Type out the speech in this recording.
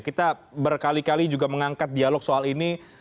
kita berkali kali juga mengangkat dialog soal ini